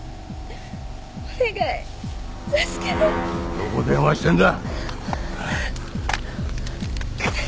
どこ電話してんだ？